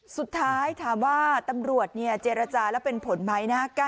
สุดท้ายถามว่าตำรวจเจรจาแล้วเป็นผลไหมนะ